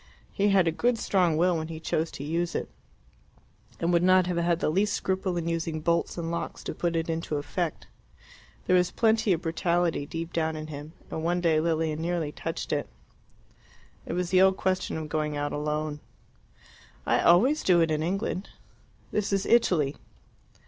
He had a good strong will when he chose to use it, and would not have had the least scruple in using bolts and locks to put it into effect. There was plenty of brutality deep down in him, and one day Lilia nearly touched it. It was the old question of going out alone. "I always do it in England." "This is Italy."